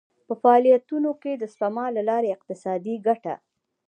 په فعالیتونو کې د سپما له لارې اقتصادي ګټه.